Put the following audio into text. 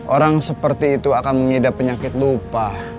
orang seperti itu akan mengidap penyakit lupa